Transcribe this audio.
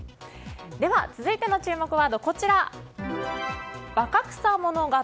では続いての注目ワードは「若草物語」。